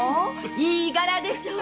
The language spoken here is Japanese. いい柄でしょう？